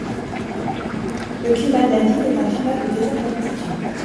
Le climat de la ville est un climat de désert d'altitude.